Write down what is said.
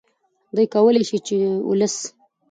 چې دوی کولې شي چې ولس